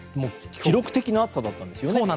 記録的な暑さだったんですよね。